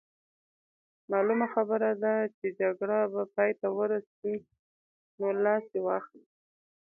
معلومه خبره ده چې جګړه به پای ته ورسي، نو لاس دې واخلي.